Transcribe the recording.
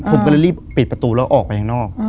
ผมก็เลยรีบปิดประตูแล้วออกไปข้างนอก